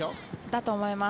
だと思います。